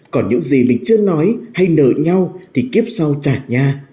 còn những gì mình chưa nói hay nở nhau thì kiếp sau trả nha